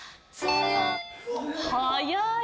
早い！